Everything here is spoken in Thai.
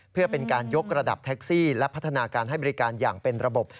เพื่อเป็นการยกระดับแท็กซี่และพัฒนาการให้บริการอย่างเป็นระบบ